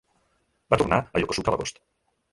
Va tornar a Yokosuka a l'agost.